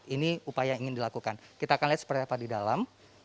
ini upaya yang ingin dilakukan kita akan lihat seperti apa di dalam